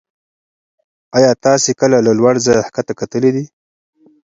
ایا تاسې کله له لوړ ځایه کښته کتلي دي؟